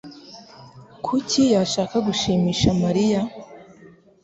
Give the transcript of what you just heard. Kuki yashaka gushimisha Mariya?